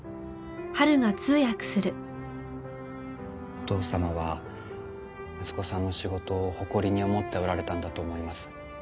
お父様は息子さんの仕事を誇りに思っておられたんだと思います。